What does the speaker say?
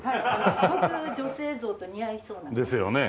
すごく女性像と似合いそうな。ですよね。